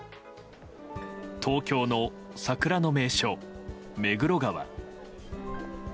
東京の桜の名所、目黒川。